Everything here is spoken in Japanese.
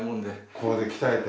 これで鍛えて？